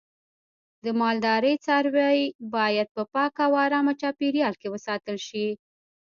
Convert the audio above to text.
د مالدارۍ څاروی باید په پاکه او آرامه چاپیریال کې وساتل شي.